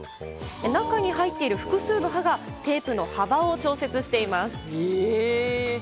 中に入っている複数の刃がテープの幅を調節しています。